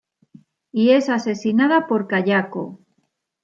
Y es asesinada por Kayako.